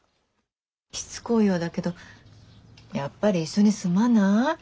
しつこいようだけどやっぱり一緒に住まない？